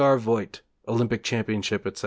R. Voigt, Olympic Championship, etc.